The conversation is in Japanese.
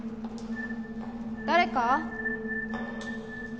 誰か？